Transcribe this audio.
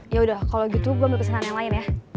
yaudah kalo gitu gue ambil pesanan yang lain ya